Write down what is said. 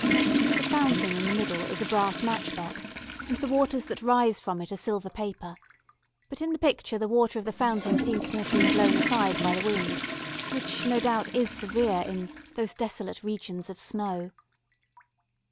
The fountain in the middle is a brass match box and the waters that rise from it are silver paper; but in the picture the water of the fountain seems to have been blown aside by the wind, which no doubt is severe in "those desolate regions of snow."